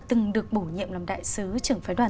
từng được bổ nhiệm làm đại sứ trưởng phái đoàn